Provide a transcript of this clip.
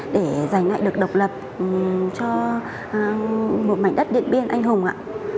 để giành lại được độc lập cho một mảnh đất điện biên anh hùng ạ